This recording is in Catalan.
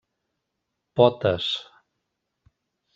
Potes: